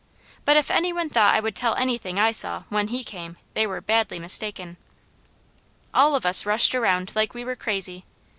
But if any one thought I would tell anything I saw when he came they were badly mistaken. All of us rushed around like we were crazy.